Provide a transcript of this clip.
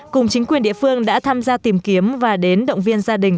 cùng chính quyền địa phương đã tham gia tìm kiếm và đến động viên gia đình